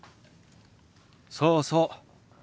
そうそう。